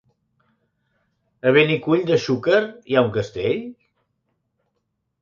A Benicull de Xúquer hi ha un castell?